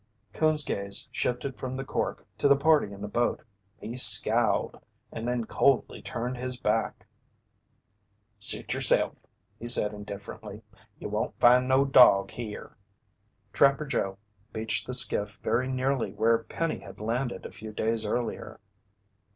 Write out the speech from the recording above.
Coon's gaze shifted from the cork to the party in the boat. He scowled and then coldly turned his back. "Suit yerself," he said indifferently. "You won't find no dawg here." Trapper Joe beached the skiff very nearly where Penny had landed a few days earlier.